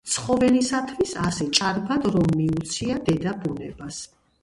ცხოველისათვის ასე ჭარბად რომ მიუცია დედაბუნებას.